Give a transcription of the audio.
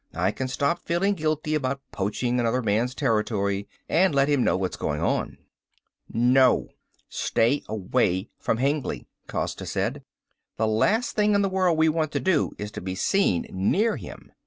I can stop feeling guilty about poaching another man's territory and let him know what's going on." "No. Stay away from Hengly," Costa said. "The last thing in the world we want to do, is to be seen near him.